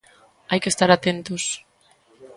Hai que estar atentos.